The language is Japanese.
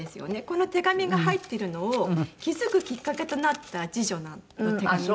この手紙が入ってるのを気付くきっかけとなった次女の手紙を。